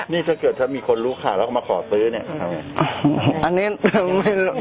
นี่ถ้าเกิดถ้ามีคนรู้ข่าวแล้วก็มาขอซื้อเนี่ย